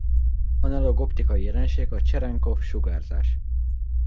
Analóg optikai jelenség a Cserenkov-sugárzás.